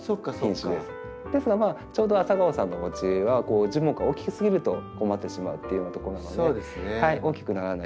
ですがちょうどａｓａｇａｏさんのおうちは樹木が大きすぎると困ってしまうというようなところなので大きくならない